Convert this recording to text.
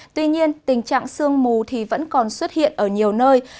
tuy nhiên tình trạng sương mù thì vẫn còn xuất hiện ở nhiều nơi